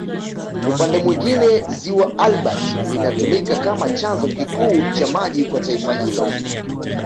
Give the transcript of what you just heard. Upande mwingine Ziwa Albert linatumika kama chanzo kikuu cha maji kwa taifa hilo